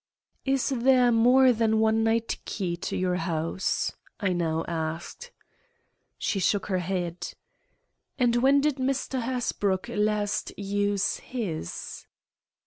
"Is there more than one night key to your house?" I now asked. She shook her head. "And when did Mr. Hasbrouck last use his?"